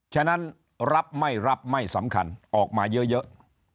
ฉะนั้นรับไม่รับไม่สำคัญออกมาเยอะ